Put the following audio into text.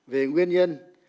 về nguyên nhân